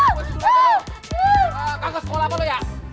waduh espera pulang seseorang udah sekolah kok lu ya